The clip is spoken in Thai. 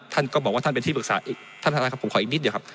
ท่านก็บอกว่าท่านเป็นที่ปรึกษาท่านขออีกนิดเดี๋ยวครับ